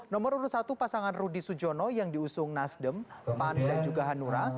nomor urut satu pasangan rudi sujono yang diusung nasdem pan dan juga hanura